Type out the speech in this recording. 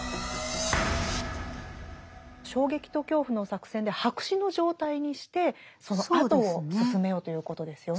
「衝撃と恐怖」の作戦で白紙の状態にしてそのあとを進めようということですよね。